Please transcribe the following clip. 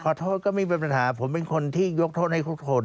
ถ้าขอโทษก็ไม่เป็นปัญหาผมเป็นคนที่ยกโทษให้คน